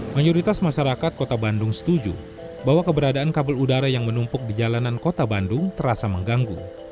mayoritas masyarakat kota bandung setuju bahwa keberadaan kabel udara yang menumpuk di jalanan kota bandung terasa mengganggu